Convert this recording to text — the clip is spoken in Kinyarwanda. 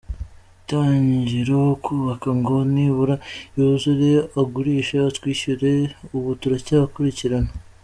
atangira kubaka ngo nibura yuzure agurishe atwishyure ubu turacyakurikirana.